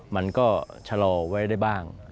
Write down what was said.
มันก็ชะลอไว้ได้บ้าง